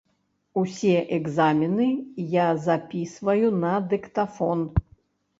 Усе экзамены я запісваю на дыктафон.